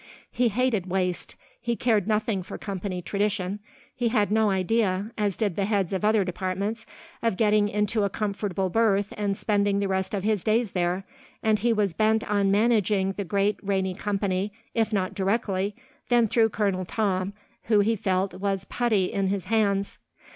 He hated waste; he cared nothing for company tradition; he had no idea, as did the heads of other departments, of getting into a comfortable berth and spending the rest of his days there, and he was bent on managing the great Rainey Company, if not directly, then through Colonel Tom, who, he felt, was putty in his hands.